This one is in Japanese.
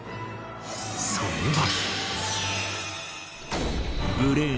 それは